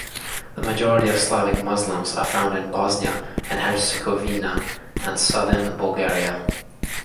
The majority of Slavic Muslims are found in Bosnia and Herzegovina and southern Bulgaria.